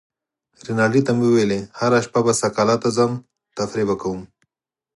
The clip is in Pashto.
رینالډي ته مې وویل: هره شپه به سکالا ته ځم، تفریح به کوم.